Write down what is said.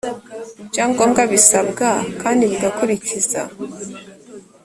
ibyangombwa bisabwa kandi bigakurikiza